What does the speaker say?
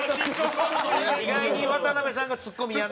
意外に渡邊さんがツッコミやんのかな。